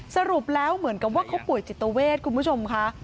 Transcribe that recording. สรุปแล้วเหมือนกับว่าเขาป่วยจิตเวทคุณผู้ชมค่ะ